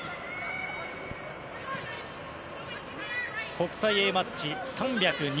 国際Ａマッチ３０２